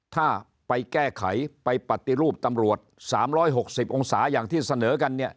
ถ้าไปแก้ไขไปปฏิรูปตำรวจ๓๖๐องศาอย่างที่เสนอกันเนี่ย